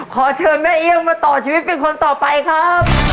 ขอเชิญแม่เอี้ยวมาต่อชีวิตเป็นคนต่อไปครับ